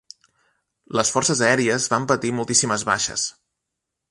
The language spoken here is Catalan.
Les forces aèries van patir moltíssimes baixes.